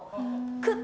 くっ！